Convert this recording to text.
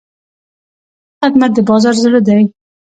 ښه خدمت د بازار زړه دی.